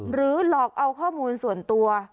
หลอกเอาข้อมูลส่วนตัว